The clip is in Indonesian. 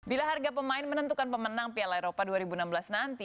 bila harga pemain menentukan pemenang piala eropa dua ribu enam belas nanti